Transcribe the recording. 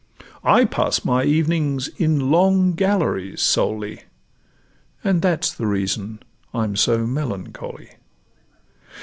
I pass my evenings in long galleries solely, And that 's the reason I'm so melancholy.